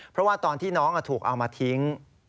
เพราะว่าตอนที่น้องถูกเอามาทิ้ง